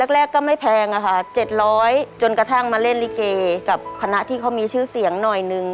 แรกก็ไม่แพงอะค่ะ๗๐๐จนกระทั่งมาเล่นลิเกกับคณะที่เขามีชื่อเสียงหน่อยนึง